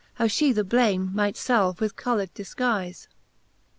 How fhe the blame might falve with coloured difguize.